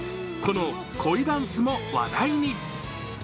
この恋ダンスも話題に。